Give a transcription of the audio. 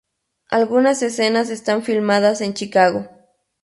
Algunas escenas están filmadas en Chicago.